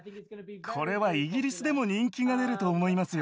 これはイギリスでも人気が出ると思いますよ。